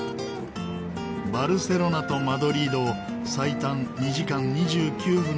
バルセロナとマドリードを最短２時間２９分で結びます。